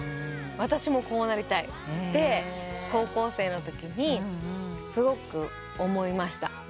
「私もこうなりたい」って高校生のときにすごく思いました。